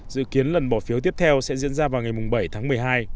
dự kiến lần bỏ phiếu tiếp theo sẽ diễn ra vào ngày bảy tháng một mươi hai